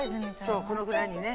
そうこのぐらいにね。